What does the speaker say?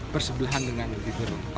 bersebelahan dengan hidup